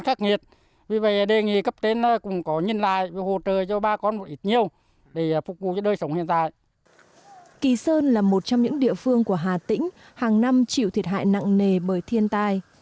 kỳ sơn là một trong những địa phương của hà tĩnh hàng năm chịu thiệt hại nặng nề bởi thiên tai